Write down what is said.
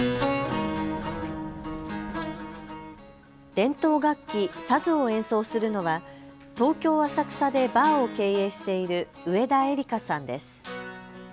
伝統楽器、サズを演奏するのは東京浅草でバーを経営している上田惠利加さんです。